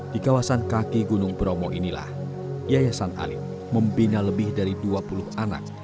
di kawasan kaki gunung bromo inilah yayasan alim membina lebih dari dua puluh anak